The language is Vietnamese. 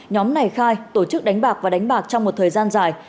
nhóm này khai tổ chức đánh bạc và đánh bạc trong một thời gian dài